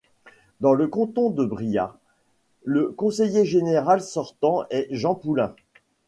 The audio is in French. Dans le canton de Briare, le conseiller général sortant est Jean Poulain.